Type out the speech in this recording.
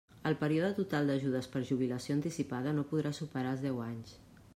El període total d'ajudes per jubilació anticipada no podrà superar els deu anys.